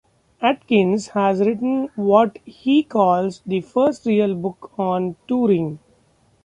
Atkins has written what he calls, "the first real book on touring".